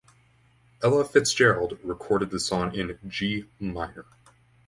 Ella Fitzgerald recorded the song in G Minor.